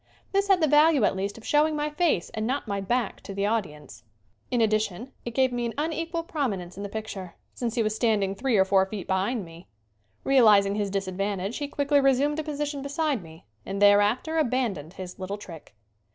This had the value, at least, of showing my face and not my back to the audience. In addi tion it gave me an unequal prominence in the picture, since he was standing three or four feet behind me. Realizing his disadvantage he quickly resumed a position beside me and thereafter abandoned his little trick.